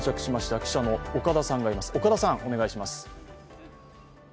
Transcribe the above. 記者の岡田さん、お願いします。